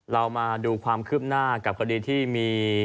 เรามาดูความคืบหน้ากับคดีที่มี